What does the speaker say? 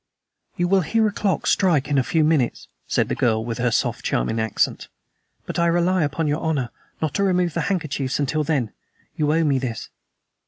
"You will hear a clock strike in a few minutes," said the girl, with her soft, charming accent, "but I rely upon your honor not to remove the handkerchiefs until then. You owe me this."